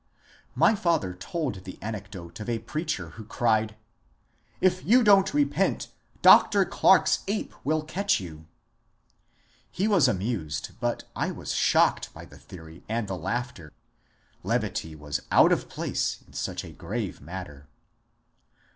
My father told the anecdote of a preacher who cried, ^^ If you don't repent. Dr. Clarke's ape will catch you I " He was amused, but I was shocked by the theory and the laughter. Levity was out of place in such a grave matter.